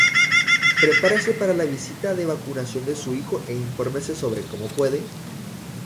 Prepárese para la visita de vacunación de su hijo e infórmese sobre cómo puede: